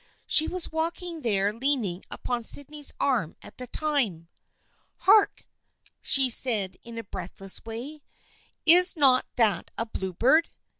She was walking there leaning upon Sydney's arm at the time. " Hark !" she said in a breathless way. " Is not that a bluebird